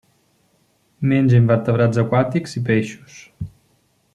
Menja invertebrats aquàtics i peixos.